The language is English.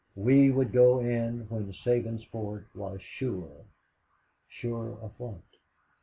We would go in when Sabinsport was sure! Sure of what?